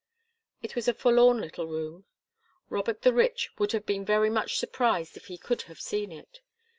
It was a forlorn little room. Robert the Rich would have been very much surprised if he could have seen it.